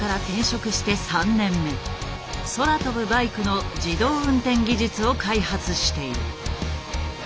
空飛ぶバイクの自動運転技術を開発している。